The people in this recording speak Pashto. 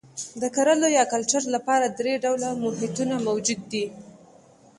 د کرلو یا کلچر لپاره درې ډوله محیطونه موجود دي.